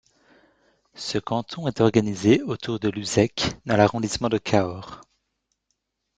Ce canton est organisé autour de Luzech dans l'arrondissement de Cahors.